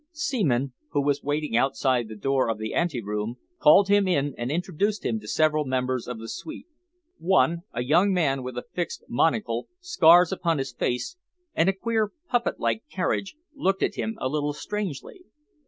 Seaman, who was waiting outside the door of the anteroom, called him in and introduced him to several members of the suite. One, a young man with a fixed monocle, scars upon his face, and a queer, puppet like carriage, looked at him a little strangely.